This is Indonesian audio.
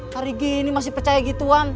hari gini masih percaya gituan